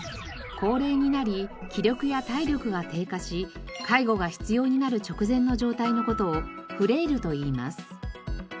高齢になり気力や体力が低下し介護が必要になる直前の状態の事をフレイルといいます。